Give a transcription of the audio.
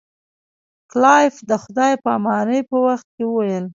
کلایف د خدای په امانی په وخت کې وویل.